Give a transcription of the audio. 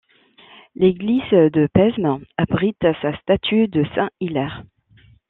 L’église de Pesmes abrite sa statue de Saint-Hilaire.